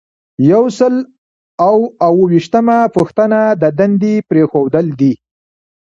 یو سل او اووه ویشتمه پوښتنه د دندې پریښودل دي.